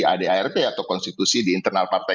ad art atau konstitusi di internal partai